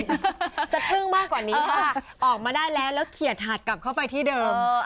จะทึ่งมากกว่านี้ค่ะออกมาได้แล้วแล้วเขียดหาดกลับเข้าไปที่เดิม